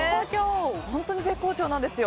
本当に絶好調なんですよ。